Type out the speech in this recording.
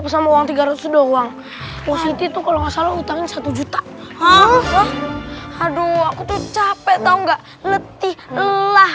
sampai jumpa di video selanjutnya